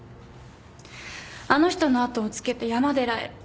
あの人のあとをつけて山寺へ。